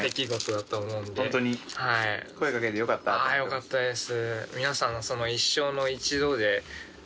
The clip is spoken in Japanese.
よかったです。